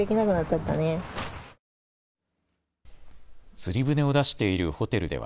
釣り船を出しているホテルでは。